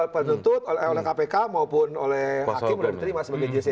penuntut oleh kpk maupun oleh hakim sudah diterima sebagai jc